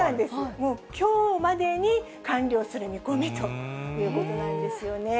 もうきょうまでに完了する見込みということなんですよね。